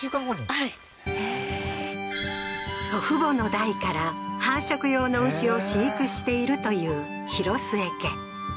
はいへえー祖父母の代から繁殖用の牛を飼育しているという廣末家